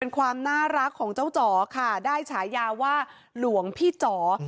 เป็นความน่ารักของเจ้าจ๋อค่ะได้ฉายาว่าหลวงพี่จ๋อ